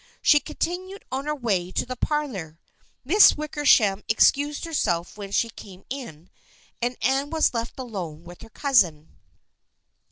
She continued on her way to the parlor. Miss Wicker sham excused herself when she came in and Anne was left alone with her cousin.